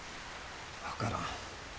分からん。